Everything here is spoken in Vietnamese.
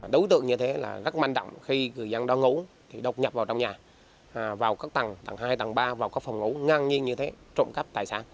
đối tượng như thế là rất manh động khi người dân đó ngủ thì độc nhập vào trong nhà vào các tầng tầng hai tầng ba vào các phòng ngủ ngang nhiên như thế trộm cắp tài sản